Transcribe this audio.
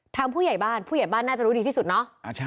ผู้ใหญ่บ้านผู้ใหญ่บ้านน่าจะรู้ดีที่สุดเนาะ